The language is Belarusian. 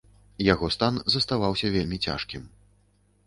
Яго стан заставаўся вельмі цяжкім.